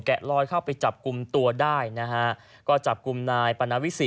ลอยเข้าไปจับกลุ่มตัวได้นะฮะก็จับกลุ่มนายปนาวิสิต